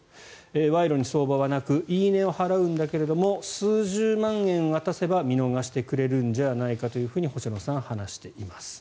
賄賂に相場はなく言い値を払うんだけども数十万円を渡せば見逃してくれるんじゃないかと星野さんは話しています。